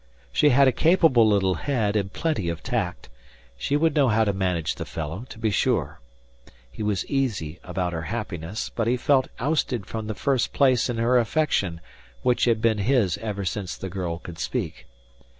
She had a capable little head and plenty of tact; she would know how to manage the fellow, to be sure. He was easy about her happiness, but he felt ousted from the first place in her affection which had been his ever since the girl could speak.